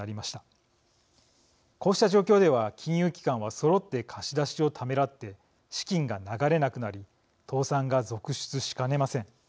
こうした状況では金融機関はそろって貸し出しをためらって資金が流れなくなり倒産が続出しかねません。